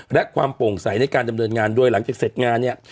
และความโป่งใสในการดำเนินงานด้วยหลังจากเศรษฐ์งานอีก